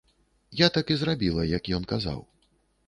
Я так і зрабіла, як ён казаў.